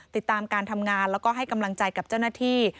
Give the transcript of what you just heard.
ติดตามการทำงานแล้วก็ให้กำลังใจกับเจ้าหน้าที่